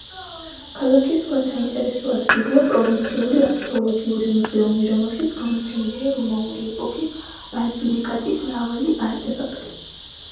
ქალაქის სხვა საინტერესო ადგილია პროვინციული არქეოლოგიური მუზეუმი, რომელშიც გამოფენილია რომაული ეპოქის ბაზილიკატის მრავალი არტეფაქტი.